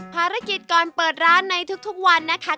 ภารกิจก่อนเปิดร้านในทุกวันนะคะ